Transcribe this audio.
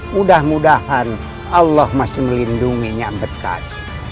mudah mudahan allah masih melindungi niamberkasi